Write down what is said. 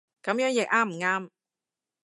噉樣譯啱唔啱